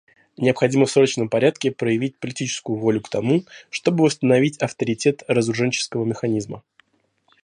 Необходимо в срочном порядке проявить политическую волю к тому, чтобы восстановить авторитет разоруженческого механизма.